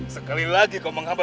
sepertinya tahu paham ya